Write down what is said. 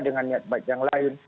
dengan niat baik yang lain